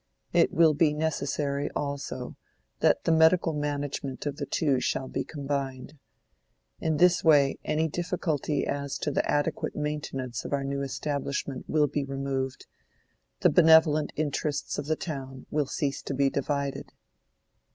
It will be necessary, also, that the medical management of the two shall be combined. In this way any difficulty as to the adequate maintenance of our new establishment will be removed; the benevolent interests of the town will cease to be divided."